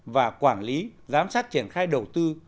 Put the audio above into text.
và quản lý giám sát triển khai đầu tư